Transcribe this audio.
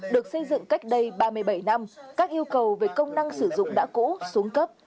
được xây dựng cách đây ba mươi bảy năm các yêu cầu về công năng sử dụng đã cũ xuống cấp